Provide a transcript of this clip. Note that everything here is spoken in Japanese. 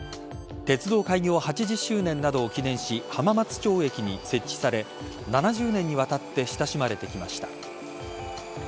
鉄道開業８０周年などを記念し浜松町駅に設置され７０年にわたって親しまれてきました。